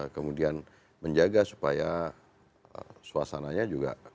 kemudian menjaga supaya suasananya juga